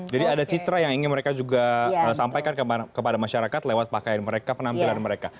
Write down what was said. jadi ada citra yang ingin mereka juga sampaikan kepada masyarakat lewat pakaian mereka penampilan mereka